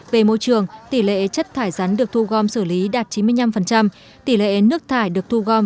về môi trường tỷ lệ chất thải rắn được thu gom xử lý đạt chín mươi năm tỷ lệ nước thải được thu gom